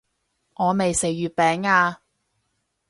我未食月餅啊